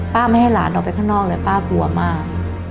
ไม่ให้หลานออกไปข้างนอกเลยป้ากลัวมาก